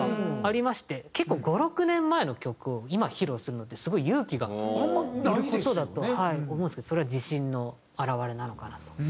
結構５６年前の曲を今披露するのってすごい勇気がいる事だと思うんですけどそれは自信の表れなのかなと。